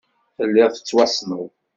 Telliḍ tettwassneḍ